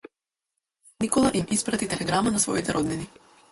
Никола им испрати телеграма на своите роднини.